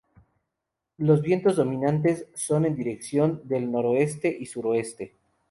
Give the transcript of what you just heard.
Los vientos dominantes son en dirección del noroeste y suroeste.